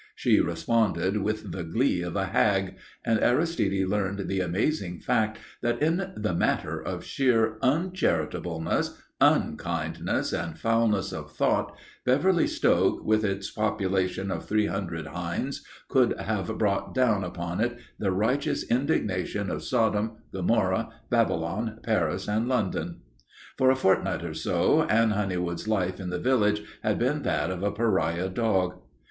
She responded with the glee of a hag, and Aristide learned the amazing fact that in the matter of sheer uncharitableness, unkindness and foulness of thought Beverly Stoke, with its population of three hundred hinds, could have brought down upon it the righteous indignation of Sodom, Gomorrah, Babylon, Paris, and London. For a fortnight or so Anne Honeywood's life in the village had been that of a pariah dog.